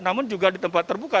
namun juga di tempat terbuka